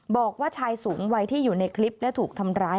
บอกว่าชายสูงวัยที่อยู่ในคลิปและถูกทำร้าย